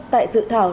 tại dự thảo